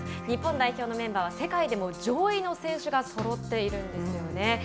日本代表のメンバーは世界でも上位の選手がそろっているんですよね。